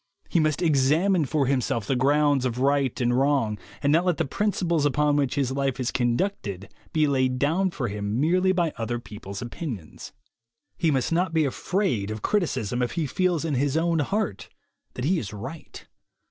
He must examine for himself the grounds of right and wrong, and not let the principles upon which his life is conducted be laid down for him merely by other people's opinions. He must not be afraid of criticism if he feels in his own heart that he is right.